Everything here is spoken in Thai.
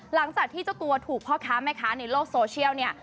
หลังจากที่เจ้าตัวถูกพ่อค้าแม่ค้าในโลกโซเชียลเนี่ย